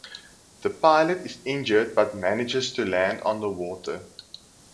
The pilot is injured but manages to land on the water.